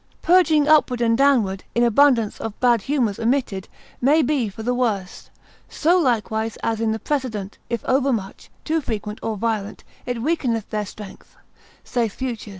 Purging upward and downward, in abundance of bad humours omitted, may be for the worst; so likewise as in the precedent, if overmuch, too frequent or violent, it weakeneth their strength, saith Fuchsius, l.